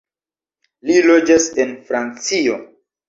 Li loĝas en Francio.